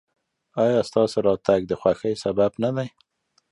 ایا ستاسو راتګ د خوښۍ سبب نه دی؟